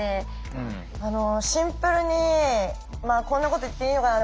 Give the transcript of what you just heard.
シンプルにこんなこと言っていいのかな。